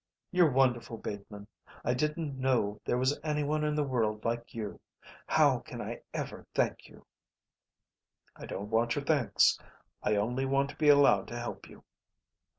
"You're wonderful, Bateman. I didn't know there was anyone in the world like you. How can I ever thank you?" "I don't want your thanks. I only want to be allowed to help you."